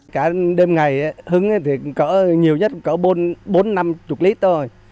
cả đêm ngày hứng thì có nhiều nhất có bốn năm chục lít thôi